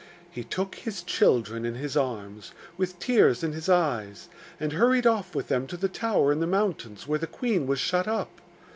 He took his children in his arms, with tears in his eyes, and hurried off with them to the tower in the mountains where the queen was shut up.